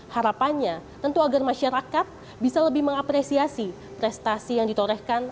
harapannya tentu agar masyarakat bisa lebih mengapresiasi prestasi yang ditorehkan